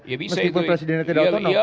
ya bisa itu meskipun presidennya tidak autonom